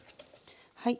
はい。